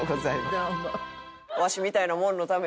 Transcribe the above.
どうも。